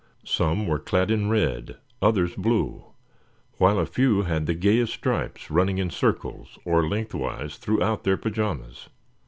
Some were clad in red, others blue; while a few had the gayest stripes running in circles or lengthwise throughout their pajamas.